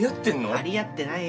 張り合ってないよ